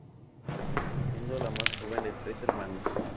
Siendo la más joven de tres hermanas.